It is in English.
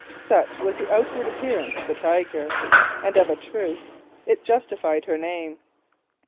Such was the outward appearance of the Tiger, and of a truth it justified her name.